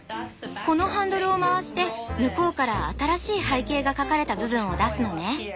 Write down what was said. このハンドルを回して向こうから新しい背景が描かれた部分を出すのね。